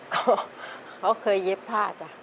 ก็เขาเคยเย็บผ้าจ้ะ